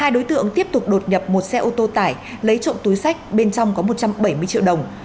hai đối tượng tiếp tục đột nhập một xe ô tô tải lấy trộm túi sách bên trong có một trăm bảy mươi triệu đồng